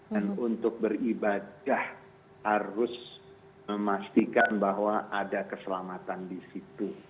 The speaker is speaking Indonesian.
dan untuk beribadah harus memastikan bahwa ada keselamatan di situ